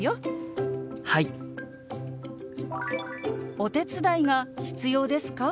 「お手伝いが必要ですか？」。